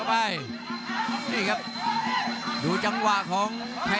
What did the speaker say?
รับทราบบรรดาศักดิ์